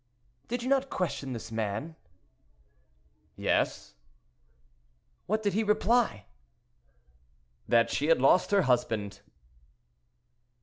"Did you not question this man?" "Yes." "What did he reply? "That she had lost her husband."